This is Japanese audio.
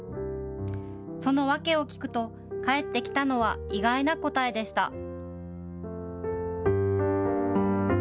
その訳を聞くと返ってきたのは意外な答えでした。